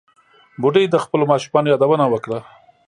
بوډۍ د خپلو ماشومانو یادونه وکړه.